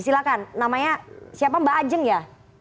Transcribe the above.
silahkan namanya siapa mbak ajeng ya